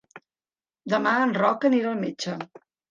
Demà en Roc anirà al metge.